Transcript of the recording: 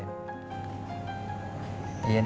iya nih dateng